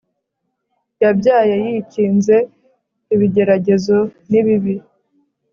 Yabyaye yikinze ibigeragezo nibibi